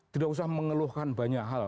tidak usah mengeluhkan banyak hal